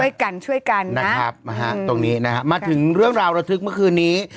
ช่วยกันช่วยกันนะครับมาถึงเรื่องราวระทึกเมื่อคืนนี้